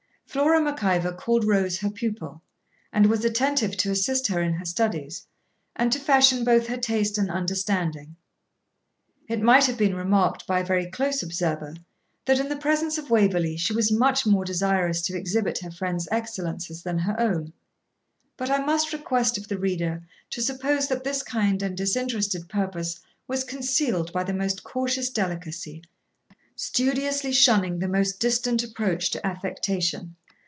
Flora Mac Ivor called Rose her pupil, and was attentive to assist her in her studies, and to fashion both her taste and understanding. It might have been remarked by a very close observer that in the presence of Waverley she was much more desirous to exhibit her friend's excellences than her own. But I must request of the reader to suppose that this kind and disinterested purpose was concealed by the most cautious delicacy, studiously shunning the most distant approach to affectation.